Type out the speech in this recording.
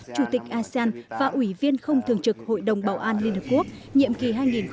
chủ tịch asean và ủy viên không thường trực hội đồng bảo an liên hợp quốc nhiệm kỳ hai nghìn hai mươi hai nghìn hai mươi một